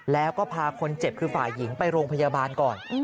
แล้วก็พาคนเจ็บคือฝ่ายหญิงไปโรงพยาบาลก่อน